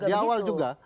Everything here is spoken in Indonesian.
iya di awal juga